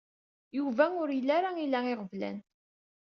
Yuba ur yelli ara ila iɣeblan.